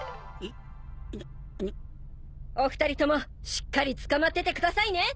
お二人ともしっかりつかまっててくださいね。